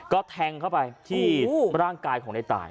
ก็แทงเข้าไปที่ร่างกายของในตาย